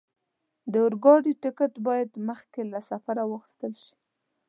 د اورګاډي ټکټ باید مخکې له سفره واخستل شي.